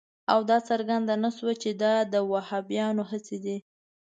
او دا څرګنده نه شوه چې دا د وهابیانو هڅې دي.